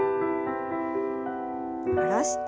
下ろして。